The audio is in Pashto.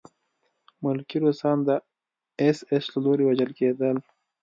ملکي روسان د اېس ایس له لوري وژل کېدل